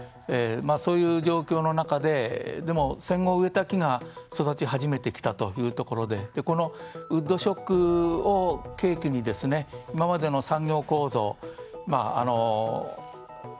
そういう状況の中ででも、戦後に植えた木が育ち始めてきたということでこのウッドショックを契機に今までの産業構造。